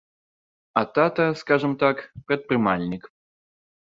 А тата, скажам так, прадпрымальнік.